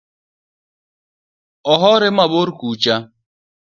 Ohore mabor kocha